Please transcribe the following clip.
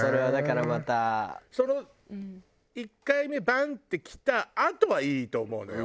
その１回目バーンってきたあとはいいと思うのよ。